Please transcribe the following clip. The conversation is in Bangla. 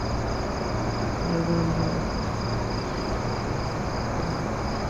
স্যান্ডার্স স্বীকার করেন, তাঁর প্রস্তাবিত ব্যবস্থায় মধ্যবিত্তের জন্য মাথাপিছু ব্যয় কিছুটা বাড়বে।